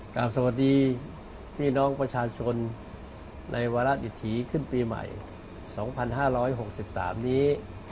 กล้ามสวัสดีพี่น้องประชาชนในวัฒน์อิทธิขึ้นปีใหม่๒๕๖๓นี้